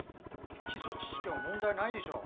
基礎知識は問題ないでしょう。